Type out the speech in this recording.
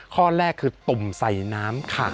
ข้อแรกคือตุ่มใส่น้ำค่ะ